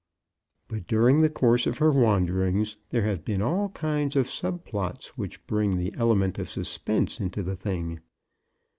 But during the course of her wanderings, there have been all kinds of sub plots which bring the element of suspense into the thing.